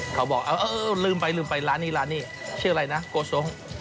เขาบอกลืมไปร้านนี้ชื่ออะไรนะกูโกสง